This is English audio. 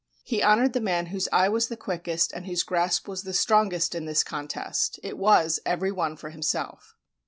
He honored the man whose eye was the quickest and whose grasp was the strongest in this contest: it was "every one for himself."